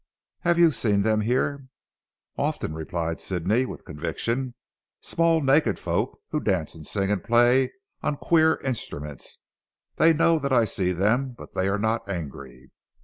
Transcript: "Have you seen them here?" "Often," replied Sidney with conviction, "small naked folk who dance and sing and play on queer instruments. They know that I see them; but they are not angry."